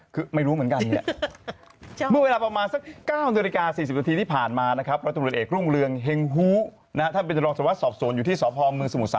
คือไม่รู้เหมือนกันเนี่ย